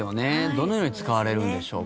どのように使われるんでしょう。